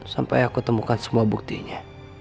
sampai aku temukan semua buktinya